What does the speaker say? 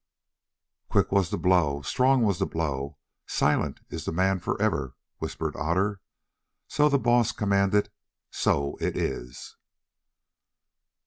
"Quick was the blow, strong was the blow, silent is the man for ever," whispered Otter. "So the Baas commanded, so it is."